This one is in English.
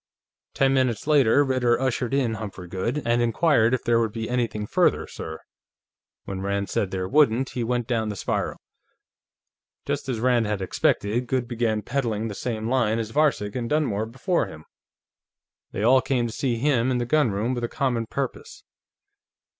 Ten minutes later, Ritter ushered in Humphrey Goode, and inquired if there would be anything further, sir? When Rand said there wouldn't, he went down the spiral. Just as Rand had expected, Goode began peddling the same line as Varcek and Dunmore before him. They all came to see him in the gunroom with a common purpose.